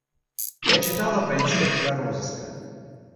Я читала про инспектора розыска.